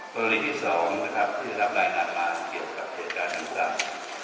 กรณีที่๒นะครับที่ได้รับรายงานมาเกี่ยวกับเหตุการณ์ดังกล่าว